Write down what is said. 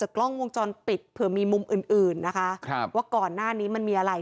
กล้องวงจรปิดเผื่อมีมุมอื่นอื่นนะคะครับว่าก่อนหน้านี้มันมีอะไร